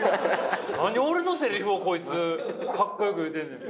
何俺のセリフをコイツ格好よく言うてんねん。